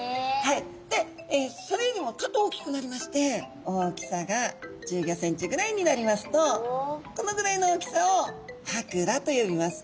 でそれよりもちょっと大きくなりまして大きさが１５センチぐらいになりますとこのぐらいの大きさをハクラと呼びます。